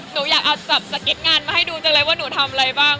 หนูอยากเอาสคริสต์งานมาให้ดูว่าหนูทำอะไรบ้าง